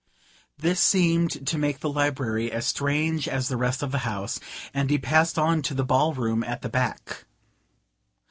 This seemed to make the library as strange as the rest of the house, and he passed on to the ballroom at the back.